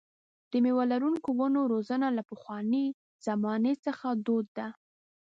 د مېوه لرونکو ونو روزنه له پخوانۍ زمانې څخه دود ده.